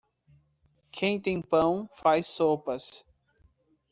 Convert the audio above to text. Quem tem pão, faz sopas.